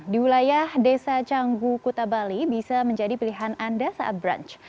di wilayah desa canggu kuta bali bisa menjadi pilihan anda saat brunch